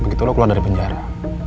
begitu lo keluar dari penjara